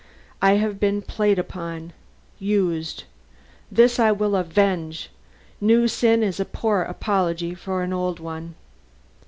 I have been played upon, used. This I will avenge. New sin is a poor apology for an old one."